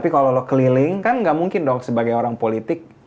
kalau keliling kan gak mungkin dong sebagai orang politik